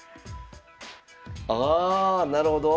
ああなるほど。